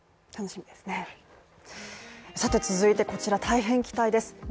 さて続いてこちら大変期待です。